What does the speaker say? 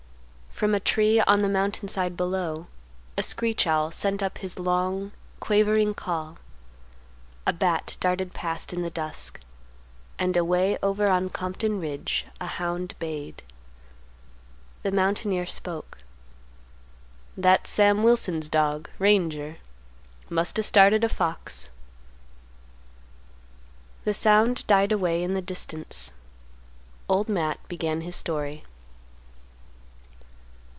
From a tree on the mountain side below, a screech owl sent up his long, quavering call; a bat darted past in the dusk; and away over on Compton Ridge a hound bayed. The mountaineer spoke; "That's Sam Wilson's dog, Ranger; must a' started a fox." The sound died away in the distance. Old Matt began his story.